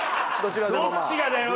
どっちがだよ！